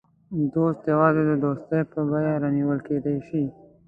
دوست یوازې د دوستۍ په بیه رانیول کېدای شي.